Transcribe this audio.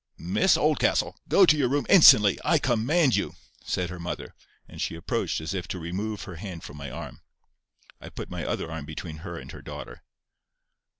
"Miss Oldcastle, go to your room instantly, I COMMAND you," said her mother; and she approached as if to remove her hand from my arm. I put my other arm between her and her daughter.